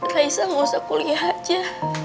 raisa ngusah kuliah aja